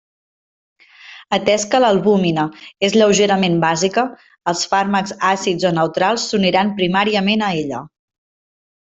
Atès que l'albúmina és lleugerament bàsica, els fàrmacs àcids o neutrals s'uniran primàriament a ella.